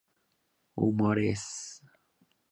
Humor es...